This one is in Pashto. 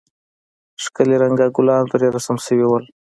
ښکلي رنگه گلان پرې رسم سوي وو.